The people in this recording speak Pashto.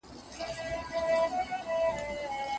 په ګاونډ کي توتکۍ ورته ویله